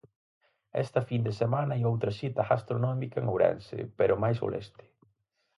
Esta fin de semana hai outra cita gastronómica en Ourense, pero máis ao leste.